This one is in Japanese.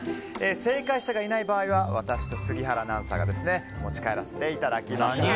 正解者がいない場合は私と杉原アナウンサーが持ち帰らせていただきます。